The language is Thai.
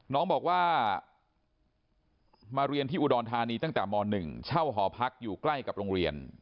น้องบอกว่ามาเรียนที่อุดรธานีตั้งแต่ม๑เช่าหอพักอยู่ใกล้กับโรงเรียน